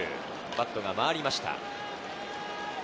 バットが回りました。